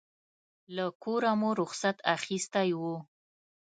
له کوره مو رخصت اخیستی و.